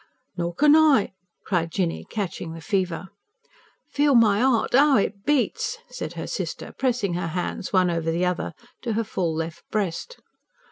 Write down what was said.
"Nor can I," cried Jinny, catching the fever. "Feel my 'eart, 'ow it beats," said her sister, pressing her hands, one over the other, to her full left breast.